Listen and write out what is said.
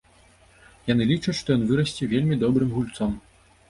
Яны лічаць, што ён вырасце вельмі добрым гульцом.